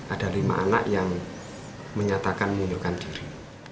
ada lima anak yang menyatakan mengundurkan diri